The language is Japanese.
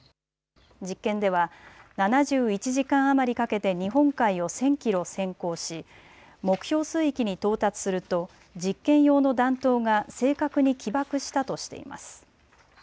実験では７１時間余りかけて日本海を１０００キロ潜航し目標水域に到達すると実験用の弾頭が正確に起爆したとしています。